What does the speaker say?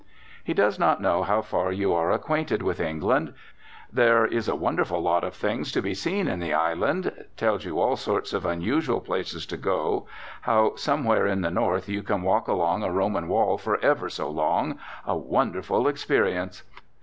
He does not know how far you are acquainted with England; "there is a wonderful lot of things to be seen in the island." Tells you all sorts of unusual places to go; how, somewhere in the north, you can walk along a Roman wall for ever so long, "a wonderful experience."